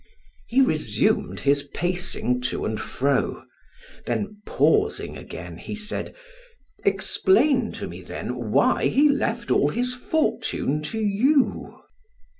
He resumed his pacing to and fro; then pausing again, he said: "Explain to me, then, why he left all his fortune to you."